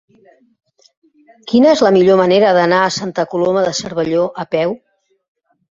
Quina és la millor manera d'anar a Santa Coloma de Cervelló a peu?